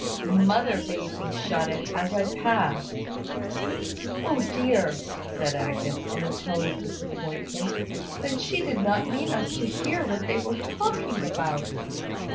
"Mother bade me shut it, as I passed." "O dear!" said Agnes, in a tone of disappointment; "then she did not mean us to hear what they were talking about."